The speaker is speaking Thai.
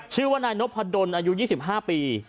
ชื่อว่านายนพดลอายุ๒๕ปี